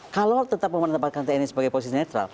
kalau tetap mempertempatkan tni sebagai posisi netral